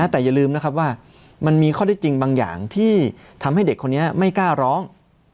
แต่อย่าลืมนะครับว่ามันมีข้อได้จริงบางอย่างที่ทำให้เด็กคนนี้ไม่กล้าร้อง